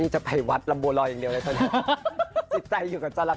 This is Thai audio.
ใจอยู่กับจรักเท่จะไหน